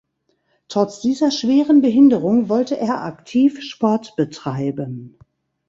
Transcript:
Trotz dieser schweren Behinderung wollte er aktiv Sport betreiben.